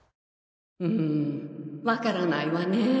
うんわからないわね。